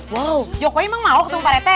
wow jokowi emang mau ketemu pak rete